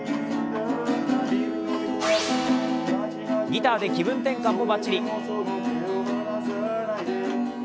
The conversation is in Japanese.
ギターで気分転換もばっちり。